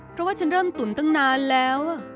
เพราะว่าฉันเริ่มตุ๋นตั้งนานแล้ว